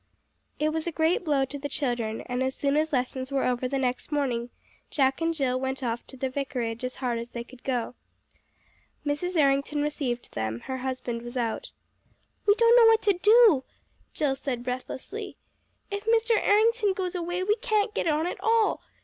It was a great blow to the children, and as soon as lessons were over the next morning Jack and Jill ran off to the Vicarage as hard as they could go. Mrs. Errington received them; her husband was out. "We don't know what to do," Jill said breathlessly. "If Mr. Errington goes away, we can't get on at all.